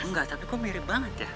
enggak tapi kok mirip banget ya